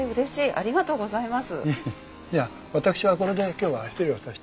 ありがとうございます。